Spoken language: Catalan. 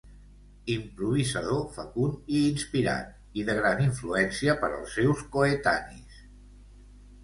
Improvisador fecund i inspirat i de gran influència per als seus coetanis.